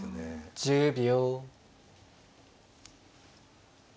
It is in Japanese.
１０秒。